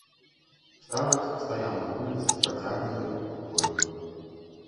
Старац стаяў на вуліцы з працягненаю рукою.